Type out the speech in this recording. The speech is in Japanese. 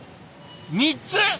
３つ？